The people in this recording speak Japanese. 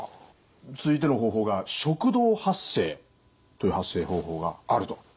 続いての方法が食道発声という発声方法があると。